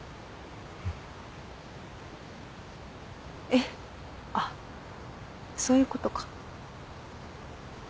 えっあっそういうことか。